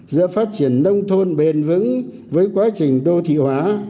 giữa phát triển nông thôn bền vững với quá trình đô thị hóa